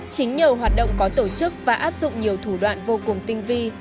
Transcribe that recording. chính nhờ hoạt động có tổ chức và áp dụng nhiều thủ đoạn vô cùng tinh vi